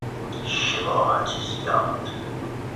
شباهت زیاد